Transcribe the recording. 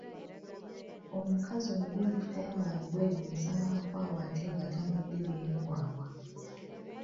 Omukazi omugunjufu tayambala bugoye bumusala nkwawa ate nga tamwedde byenkwawa.